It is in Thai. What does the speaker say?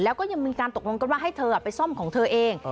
แล้วก็ยังมีการตกลงกันว่าให้เธอไปซ่อมของเธอเอง